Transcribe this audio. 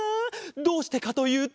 どうしてかというと。